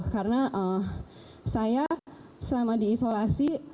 karena saya selama diisolasi